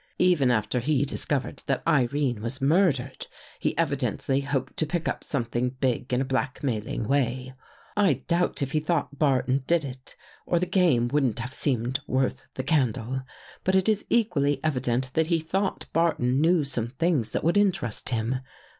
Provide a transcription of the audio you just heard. Even after he discovered that Irene was murdered, he evidently hoped to pick up something big in a blackmailing way. I doubt if he thought Barton did it, or the game wouldn't have seemed worth the candle. But it is equally evident that he thought Barton knew some things that would interest him.